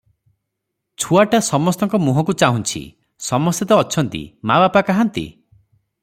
ଛୁଆଟା ସମସ୍ତଙ୍କ ମୁହଁକୁ ଚାହୁଁଛି--ସମସ୍ତେ ତ ଅଛନ୍ତି, ମା ବାପା କାହାନ୍ତି?